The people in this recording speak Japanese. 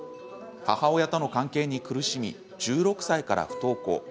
母親との関係に苦しみ１６歳から不登校。